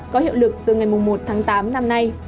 có hiệu lực từ ngày một tháng tám năm nay